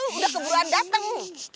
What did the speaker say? udah ke buruan dateng